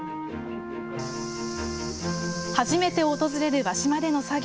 初めて訪れる和島での作業。